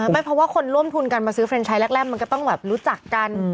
เพราะว่าคนร่วมทูลกันมาซื้อเฟรนชไลด์แรกมันก็ต้องรู้จักกัน